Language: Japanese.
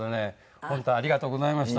本当ありがとうございました。